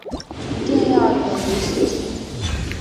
一定要远离市区